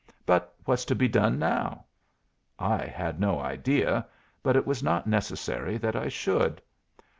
But what's to be done now?" I had no idea; but it was not necessary that I should.